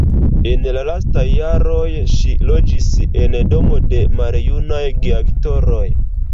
En la lastaj jaroj ŝi loĝis en domo de maljunaj geaktoroj.